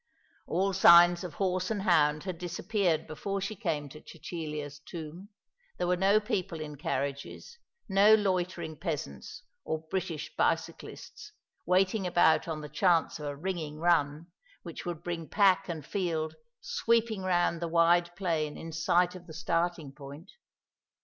All signs of horse and hound had disappeared before she came to Cecilia's tomb; there were no people in carriages, no loitering peasants or British bicyclists, waiting about on the chance of a ringing run, which would bring pack and field sweeping round the wide plain in sight of the starting point.